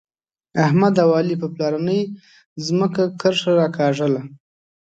احمد او علي په پلارنۍ ځمکه کرښه راکاږله.